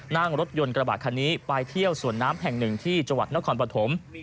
นั่งรถยนต์กระบาดคันนี้ไปเที่ยวสวนน้ำแห่งหนึ่งที่จังหวัดนครปฐม